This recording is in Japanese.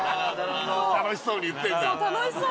楽しそうに言ってんだ。